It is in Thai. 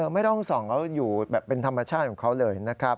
ไม่ต้องส่องเขาอยู่แบบเป็นธรรมชาติของเขาเลยนะครับ